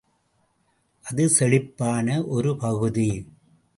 அது செழிப்பான ஒரு பகுதி.